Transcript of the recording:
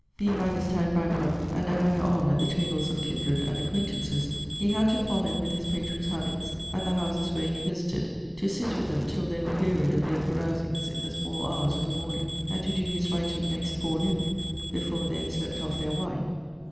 Being by this time bankrupt, and a hanger on at the tables of kindred and acquaintances, he had to fall in with his patrons' habits, at the houses where he visited; to sit with them till they wearied of their carousings in the small hours of the morning; and to do his writing next forenoon, before they had slept off their wine.